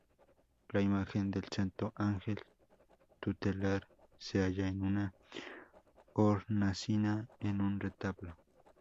La imagen del Santo Ángel Tutelar se halla en una hornacina en un retablo.